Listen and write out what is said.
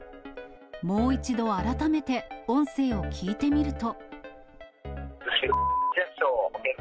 もう一度改めて、音声を聞いてみると。